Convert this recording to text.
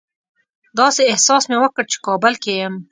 داسې احساس مې وکړ چې کابل کې یم.